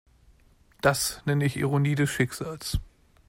Das nenne ich Ironie des Schicksals.